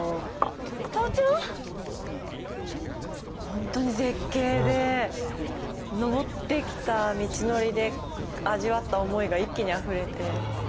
本当に絶景で登ってきた道のりで味わった思いが一気にあふれて。